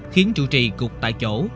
khiến trụ trì gục tại chỗ